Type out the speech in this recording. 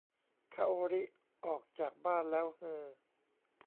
คาโอริออกจากบ้านแล้วฮือ